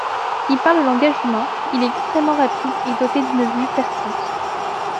Il parle le langage humain, il est extrêmement rapide et doté d'une vue perçante.